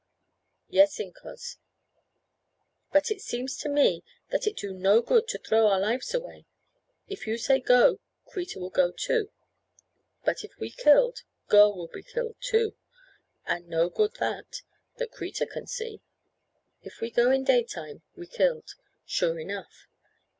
"Yes, incos, but it seems to me that it do no good to throw our lives away. If you say go, Kreta will go too, but if we killed, girl will be killed too, and no good that, that Kreta can see; if we go in daytime we killed, sure enough.